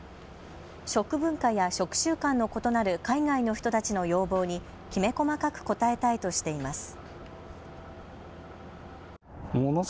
食文化や食習慣の異なる海外の人たちの要望にきめ細かく応えたいとしています。